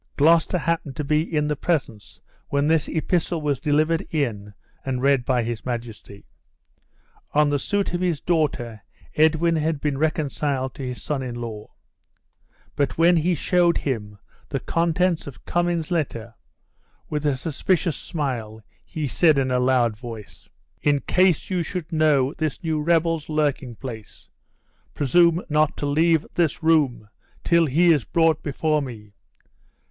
Gloucester happened to be in the presence when this epistle was delivered in and read by his majesty. On the suit of his daughter, Edwin had been reconciled to his son in law; but when he showed him the contents of Cummin's letter, with a suspicious smile he said in a loud voice, "In case you should know this new rebel's lurking place, presume not to leave this room till he is brought before me.